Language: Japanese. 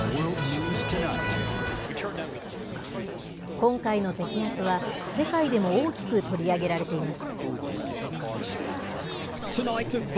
今回の摘発は、世界でも大きく取り上げられています。